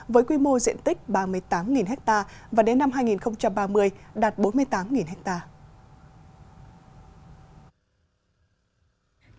với quy mô diện tích ba mươi tám hectare và đến năm hai nghìn ba mươi đạt bốn mươi tám hectare